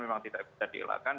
memang tidak bisa dielakkan